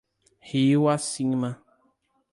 Rio Acima